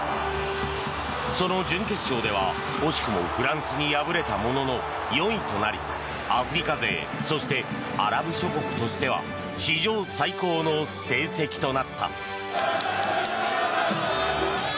その準決勝では惜しくもフランスに敗れたものの４位となりアフリカ勢そしてアラブ諸国としては史上最高の成績となった。